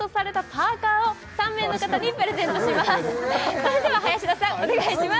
それでは林田さんお願いします